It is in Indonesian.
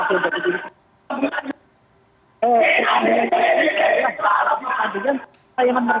kita juga belum mengetahui